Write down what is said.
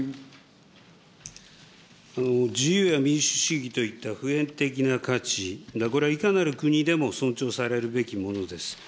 自由や民主主義といった普遍的な価値、これはいかなる国でも尊重されるべきものです。